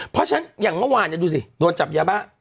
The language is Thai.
เพราะฉะนั้นอย่างเมื่อวานดูสิโดนจับยาบ้า